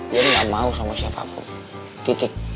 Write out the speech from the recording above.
ian gak mau sama siapapun titik